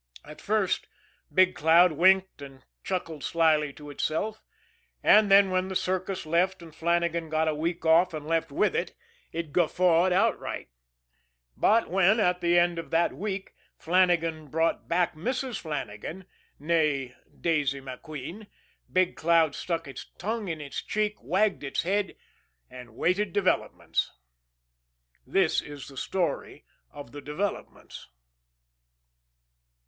At first, Big Cloud winked and chuckled slyly to itself; and then, when the circus left and Flannagan got a week off and left with it, it guffawed outright but when, at the end of that week, Flannagan brought back Mrs. Flannagan, née Daisy MacQueen, Big Cloud stuck its tongue in its cheek, wagged its head and waited developments. This is the story of the developments.